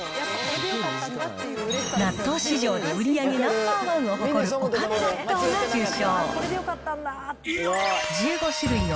納豆市場で売り上げナンバーワンを誇るおかめ納豆が受賞。